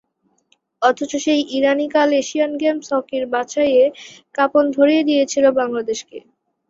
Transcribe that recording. অথচ সেই ইরানই কাল এশিয়ান গেমস হকির বাছাইয়ে কাঁপন ধরিয়ে দিয়েছিল বাংলাদেশকে।